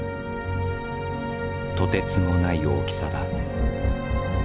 とてつもない大きさだ。